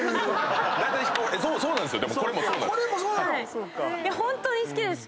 そうなんですよ。